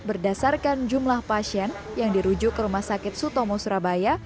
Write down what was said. berdasarkan jumlah pasien yang dirujuk ke rumah sakit sutomo surabaya